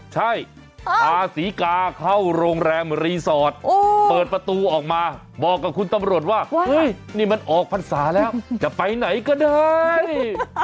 ใช่พาศรีกาเข้าโรงแรมรีสอร์ทเปิดประตูออกมาบอกกับคุณตำรวจว่าเฮ้ยนี่มันออกพรรษาแล้วจะไปไหนก็ได้